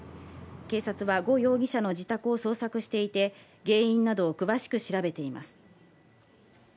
警察は呉容疑者の自宅を捜索していて、原因などを詳しく調べています。